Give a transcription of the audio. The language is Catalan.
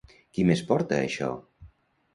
Qui més porta això?